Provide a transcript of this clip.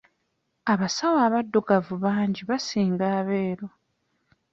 Abasawo abaddugavu bangi basinga abeeru.